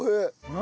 何？